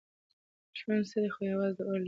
ژوند څه دی خو یوازې د اور لمبه ده.